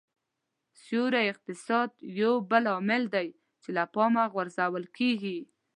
سیوري اقتصاد یو بل عامل دی چې له پامه غورځول کېږي